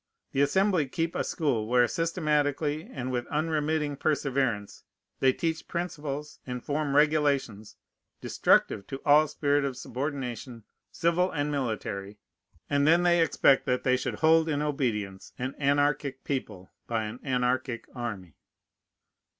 The Assembly keep a school, where, systematically, and with unremitting perseverance, they teach principles and form regulations destructive to all spirit of subordination, civil and military, and then they expect that they shall hold in obedience an anarchic people by an anarchic army.